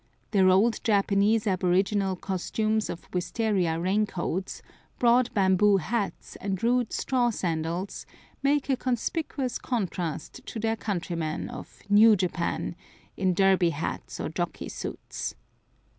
Their old Japanese aboriginal costumes of wistaria raincoats, broad bamboo hats, and rude straw sandals make a conspicuous contrast to their countrymen of "New Japan," in Derby hats or jockey suits.